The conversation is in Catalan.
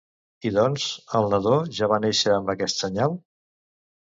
I doncs, el nadó ja va néixer amb aquest senyal?